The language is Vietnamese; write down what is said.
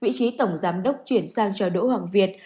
vị trí tổng giám đốc chuyển sang cho đỗ hoàng việt